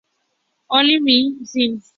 Olympia y Ms.